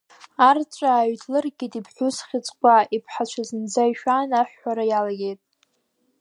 Арҵәаа ҩҭлыргеит иԥҳәыс Хьыҵкәа, иԥҳацәа зынӡа ишәан аҳәҳәара иалагеит.